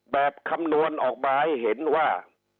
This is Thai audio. คำนวณออกมาให้เห็นว่า